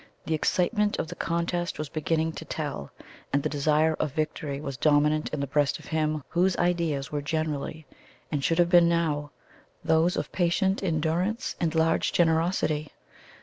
The excitement of the contest was beginning to tell, and the desire of victory was dominant in the breast of him whose ideas were generally and should have been now those of patient endurance and large generosity.